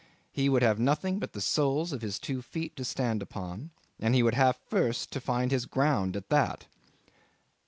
He would have nothing but the soles of his two feet to stand upon, and he would have first to find his ground at that.